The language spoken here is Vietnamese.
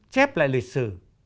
chép lại lịch sử